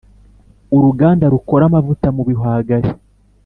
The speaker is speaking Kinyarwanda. uruganda rukora amavuta mu bihwagari